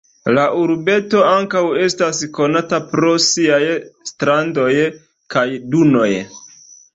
La urbeto ankaŭ estas konata pro siaj strandoj kaj dunoj.